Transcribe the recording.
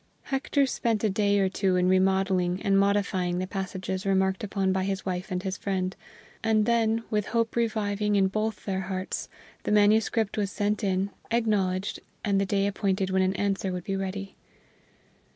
Hector spent a day or two in remodeling and modifying the passages remarked upon by his wife and his friend, and then, with hope reviving in both their hearts, the manuscript was sent in, acknowledged, and the day appointed when an answer would be ready.